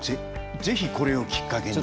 ぜひこれをきっかけに。